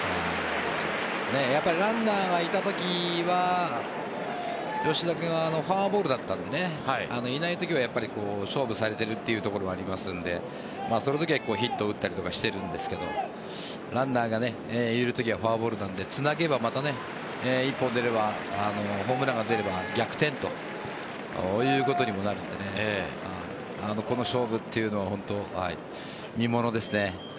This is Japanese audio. やっぱりランナーがいたときは吉田君はフォアボールだったのでいないときはやっぱり勝負されているというところはありますのでそのときはヒット打ったりとかしてるんですがランナーがいるときはフォアボールなのでつなげば、また１本出ればホームランが出れば逆転ということにもなるのでこの勝負というのは見ものですね。